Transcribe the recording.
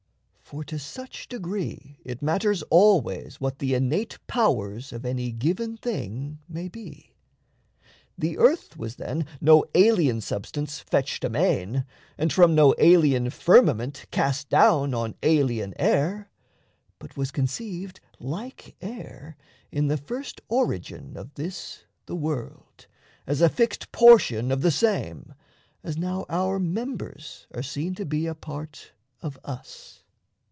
For to such degree It matters always what the innate powers Of any given thing may be. The earth Was, then, no alien substance fetched amain, And from no alien firmament cast down On alien air; but was conceived, like air, In the first origin of this the world, As a fixed portion of the same, as now Our members are seen to be a part of us.